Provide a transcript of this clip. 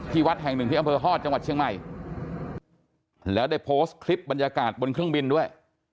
วัดแห่งหนึ่งที่อำเภอฮอตจังหวัดเชียงใหม่แล้วได้โพสต์คลิปบรรยากาศบนเครื่องบินด้วย